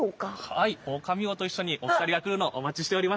はいオオカミウオと一緒にお二人が来るのをお待ちしておりました。